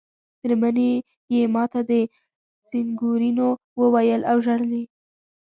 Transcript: مېرمنې یې ما ته سېګنورینو وویل او ژړل یې.